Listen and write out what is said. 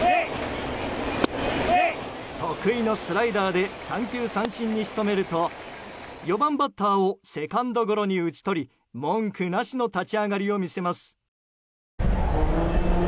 得意のスライダーで三球三振に仕留めると４番バッターをセカンドゴロに打ち取り文句なしの立ち上がりを見せます。